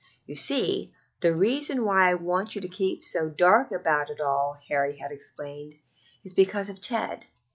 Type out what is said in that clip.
"You see, the reason why I want you to keep so dark about it all," Harry had explained, "is because of Ted.